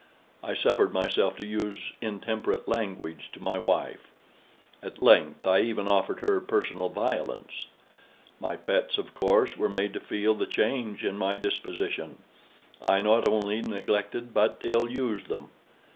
I suffered myself to use intemperate language to my wife. At length, I even offered her personal violence. My pets, of course, were made to feel the change in my disposition. I not only neglected, but ill used them.